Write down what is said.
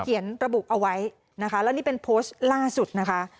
ระบุเอาไว้นะคะแล้วนี่เป็นโพสต์ล่าสุดนะคะ